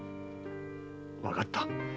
わかった。